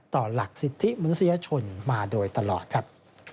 หลักสิทธิมนุษยชนมาโดยตลอดครับ